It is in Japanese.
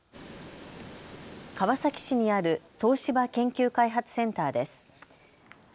川崎市にある東芝研究開発センターです。